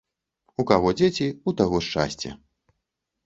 У каго дзеці, у таго шчасце